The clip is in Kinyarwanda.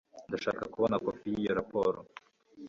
Ndashaka kubona kopi yiyo raporo